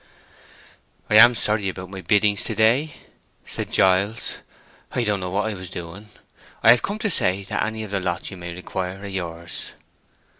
"I am sorry about my biddings to day," said Giles. "I don't know what I was doing. I have come to say that any of the lots you may require are yours."